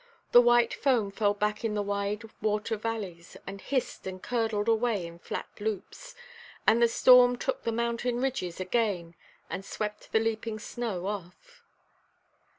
The white foam fell back in the wide water valleys, and hissed and curdled away in flat loops, and the storm took the mountain ridges again and swept the leaping snow off.